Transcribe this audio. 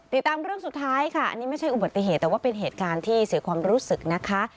เรื่องสุดท้ายค่ะอันนี้ไม่ใช่อุบัติเหตุแต่ว่าเป็นเหตุการณ์ที่เสียความรู้สึกนะคะ